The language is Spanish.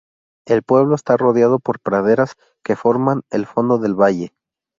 El pueblo está rodeado por praderas que forman el fondo del valle.